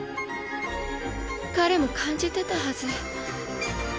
彼も感じてたはず。